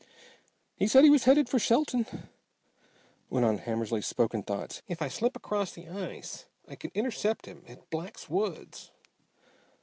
"He said he was headed for Shelton," went on Hammersly's spoken thoughts. "If I slip across the ice I can intercept him at Black's woods."